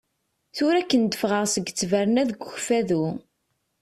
Tura akken d-fɣaɣ seg ttberna deg Ukfadu.